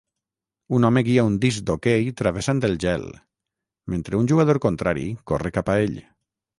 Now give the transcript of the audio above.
Un home guia un disc d'hoquei travessant el gel mentre un jugador contrari corre cap a ell